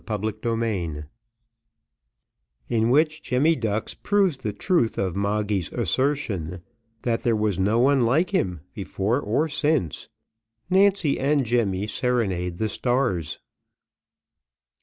Chapter XXIX In which Jemmy Ducks proves the truth of Moggy's assertion, that there was no one like him before or since Nancy and Jemmy serenade the stars.